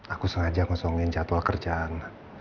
aku sengaja kosongin jadwal kerjaan